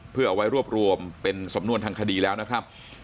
เพื่อเอาไว้รวบรวมเป็นสำนวนทางคดีแล้วนะครับ